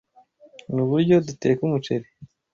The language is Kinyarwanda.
Nuburyo duteka umuceri.